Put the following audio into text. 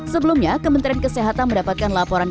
sebelumnya kementerian kesehatan mendapatkan laporan